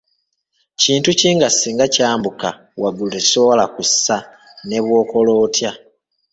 Kintu ki nga singa kyambuka waggulu tosobola kukissa ne bw'okola otya?